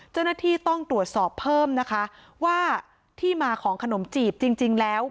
เจ้าหน้าที่ต้องตรวจสอบเพิ่มนะคะว่าที่มาของขนมจีบจริงแล้ว